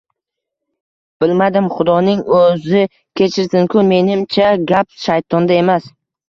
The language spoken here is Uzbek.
Bilmadim...Xudoning o’zi kechirsin-ku, menimcha gap shaytonda emas.